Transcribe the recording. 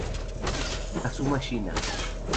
Kazuma Shiina